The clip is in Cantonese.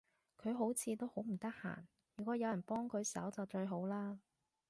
佢好似都好唔得閒，如果有人幫佢手就最好嘞